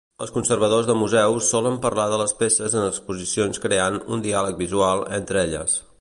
Els conservadors de museus solen parlar de les peces en exposicions creant "un diàleg visual" entre elles.